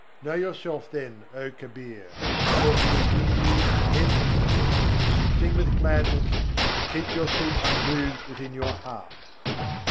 Know yourself then, O Kabîr; for He is in you from head to foot. Sing with gladness, and keep your seat unmoved within your heart.